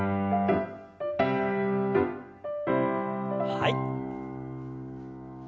はい。